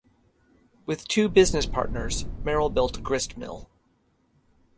With two business partners, Merrill built a gristmill.